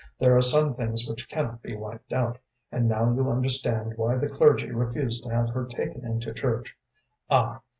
There are some things which cannot be wiped out, and now you understand why the clergy refused to have her taken into church. Ah!